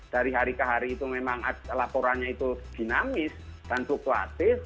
dari hari ke hari itu memang laporannya itu dinamis dan fluktuatif